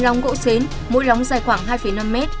chín lóng gỗ xến mỗi lóng dài khoảng hai năm m